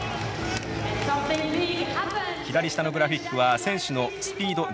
左下のグラフィックは選手のスピード、時速です。